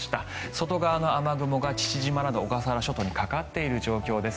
外側の雨雲が父島など小笠原諸島にかかっている状態です。